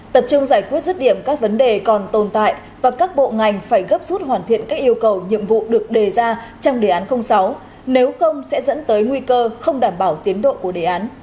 tập trung giải quyết rứt điểm các vấn đề còn tồn tại và các bộ ngành phải gấp rút hoàn thiện các yêu cầu nhiệm vụ được đề ra trong đề án sáu nếu không sẽ dẫn tới nguy cơ không đảm bảo tiến độ của đề án